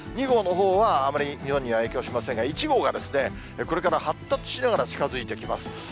２号のほうはあまり日本には影響しませんが、１号がこれから発達しながら近づいてきます。